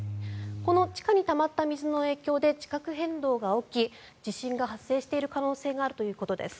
この地下にたまった水の影響で地殻変動が起き地震が発生している可能性があるということです。